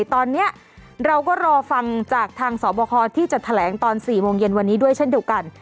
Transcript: ตอนนี้เราก็รอฟังจากทางสอบคอที่จะแถลงตอน๔โมงเย็นวันนี้ด้วยเช่นเดียวกัน